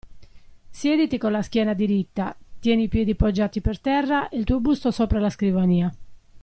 Siediti con la schiena diritta, tieni i piedi poggiati per terra e il tuo busto sopra la scrivania.